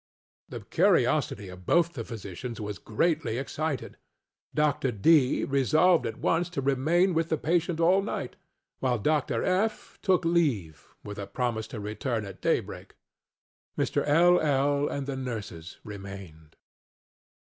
The curiosity of both the physicians was greatly excited. Dr. DŌĆöŌĆö resolved at once to remain with the patient all night, while Dr. FŌĆöŌĆö took leave with a promise to return at daybreak. Mr. LŌĆöl and the nurses remained.